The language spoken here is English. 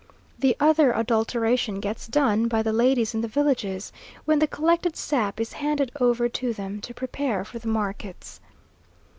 The other adulteration gets done by the ladies in the villages when the collected sap is handed over to them to prepare for the markets.